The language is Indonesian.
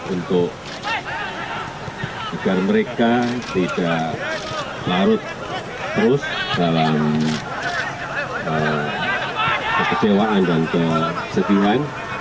untuk agar mereka tidak larut terus dalam kekecewaan dan kesedihan